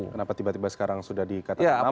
kenapa tiba tiba sekarang sudah dikatakan